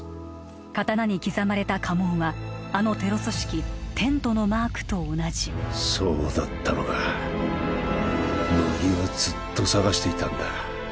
刀に刻まれた家紋はあのテロ組織テントのマークと同じそうだったのか乃木はずっと捜していたんだ